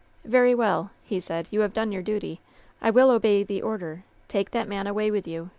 "Very well," he said. "You have done your duty. I will obey the order. Take that man away with you.